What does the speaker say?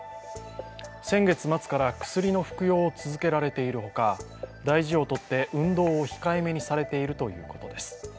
先月末から、薬の服用を続けられているほか大事をとって、運動を控えめにされているということです。